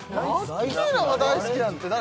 アッキーナが大好きなって何？